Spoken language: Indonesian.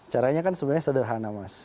caranya kan sebenarnya sederhana mas